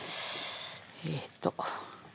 えっと。